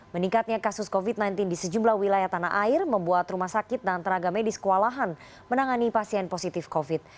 meningkatnya kasus covid sembilan belas di sejumlah wilayah tanah air membuat rumah sakit dan tenaga medis kewalahan menangani pasien positif covid